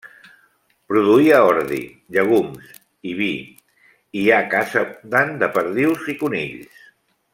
Produïa ordi, llegums i vi i hi ha caça abundant de perdius i conills.